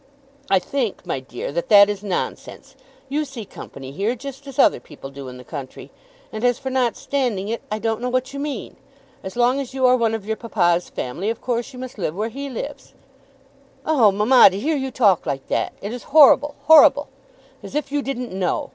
"I think, my dear, that that is nonsense. You see company here, just as other people do in the country; and as for not standing it, I don't know what you mean. As long as you are one of your papa's family of course you must live where he lives." "Oh, mamma, to hear you talk like that! It is horrible horrible! As if you didn't know!